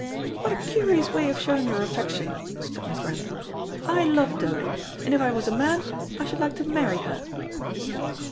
"What a curious way of showing your affection," said Miss Grantham. "I love Dodo, and if I was a man I should like to many her."